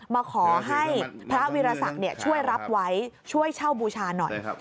มาขอให้พระวิรสักช่วยรับไว้ช่วยเช่าบูชาหน่อย